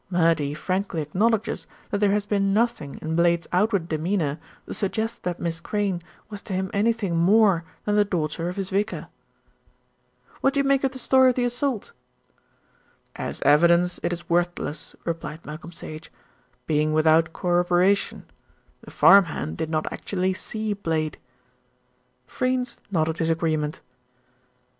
Murdy frankly acknowledges that there has been nothing in Blade's outward demeanour to suggest that Miss Crayne was to him anything more than the daughter of his vicar." "What do you make of the story of the assault?" "As evidence it is worthless," replied Malcolm Sage, "being without corroboration. The farmhand did not actually see Blade." Freynes nodded his agreement.